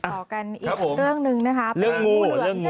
ต่อกันอีกเรื่องหนึ่งนะครับเรื่องงู